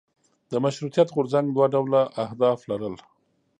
د مشروطیت غورځنګ دوه ډوله اهداف لرل.